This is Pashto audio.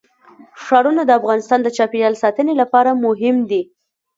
ښارونه د افغانستان د چاپیریال ساتنې لپاره مهم دي.